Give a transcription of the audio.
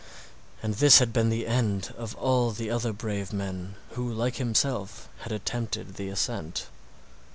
And this had been the end of all the other brave men who like himself had attempted the ascent.